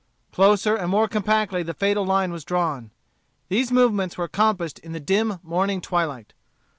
Closer and more compactly the fatal line was drawn. These movements were accomplished in the dim morning twilight.